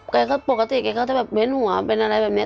ต่อก็ปกติเลยเค้าจะเบ้นหัวเป็นอะไรแบบเนี้ย